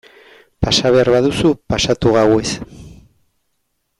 Pasa behar baduzu pasatu gauez...